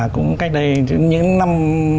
cũng cách đây những năm hai nghìn một mươi ba